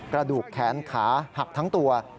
กระดูกแขนขาหักทั้งตัว